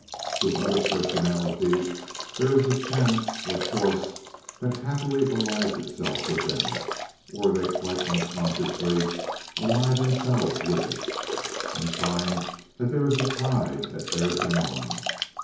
With other personalities there is a chance, or force, that happily allies itself with them; or they quite unconsciously ally themselves with it, and find that there is a tide that bears them on.